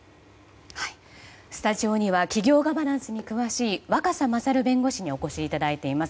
スタジオには企業ガバナンスに詳しい若狭勝弁護士にお越しいただいております。